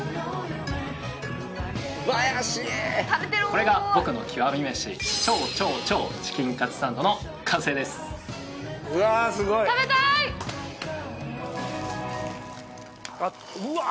これが僕の極み飯超超超チキンカツサンドの完成ですうわうわ